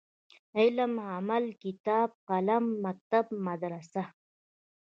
علم ،عمل ،کتاب ،قلم ،مکتب ،مدرسه